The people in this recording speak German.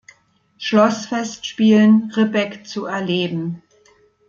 Schlossfestspielen Ribbeck zu erleben.